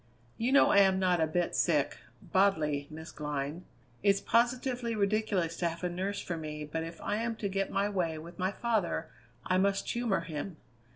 "You know I am not a bit sick bodily, Miss Glynn. It's positively ridiculous to have a nurse for me, but if I am to get my way with my father I must humour him.